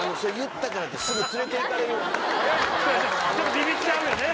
・ビビッちゃうよね